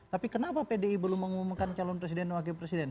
tapi kenapa pdi belum mengumumkan calon presiden dan wakil presiden